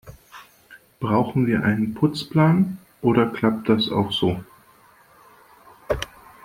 Brauchen wir einen Putzplan, oder klappt das auch so?